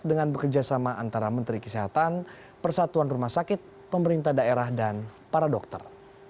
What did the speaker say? dengan bekerjasama antara menteri kesehatan persatuan rumah sakit pemerintah daerah dan para dokter